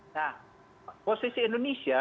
nah posisi indonesia